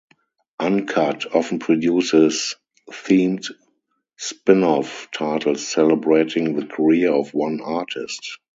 "Uncut" often produces themed spin-off titles celebrating the career of one artist.